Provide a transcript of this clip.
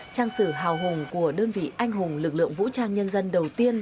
trang sử hào hùng của đơn vị anh hùng lực lượng vũ trang nhân dân đầu tiên